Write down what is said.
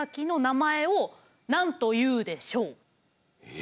え？